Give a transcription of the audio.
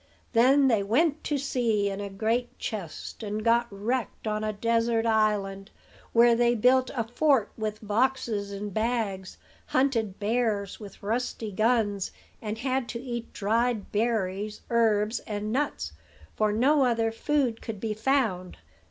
Then they went to sea in a great chest, and got wrecked on a desert island, where they built a fort with boxes and bags, hunted bears with rusty guns, and had to eat dried berries, herbs and nuts; for no other food could be found.